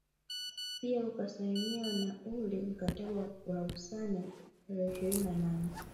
Pia Ukasainiwa na ule mkataba wa Lausanne tarehe ishirini na nne